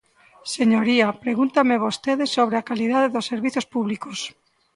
Señoría, pregúntame vostede sobre a calidade dos servizos públicos.